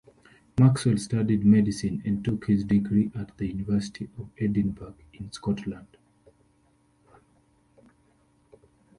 Maxwell studied medicine and took his degree at the University of Edinburgh in Scotland.